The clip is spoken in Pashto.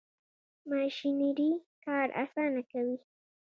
ماشینري کار اسانه کوي.